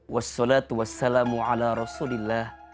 wassalatu wassalamu ala rasulillah